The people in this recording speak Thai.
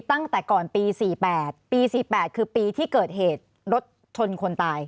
ตั้งแต่ก่อนปี๔๘ปี๔๘คือปีที่เกิดเหตุรถชนคนตาย